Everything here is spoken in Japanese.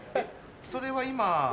それは今。